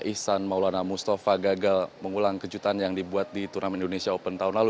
ihsan maulana mustafa gagal mengulang kejutan yang dibuat di turnamen indonesia open tahun lalu